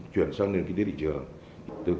chuyển sang nền kinh tế địa trường